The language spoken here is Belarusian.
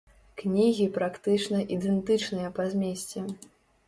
Кнігі практычна ідэнтычныя па змесце.